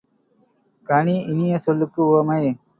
கனி, இனிய சொல்லுக்கு உவமை.